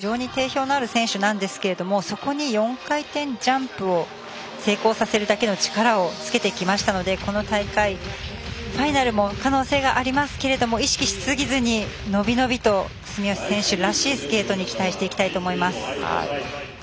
もともと滑りスピン、ステップも非常に定評のある選手ですがそこに４回転ジャンプを成功させるだけの力をつけてきましたのでこの大会ファイナルも可能性がありますけれども意識しすぎずに伸び伸びと住吉選手らしいスケーティングに期待したいと思います。